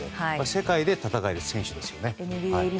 世界で戦える選手ですよね。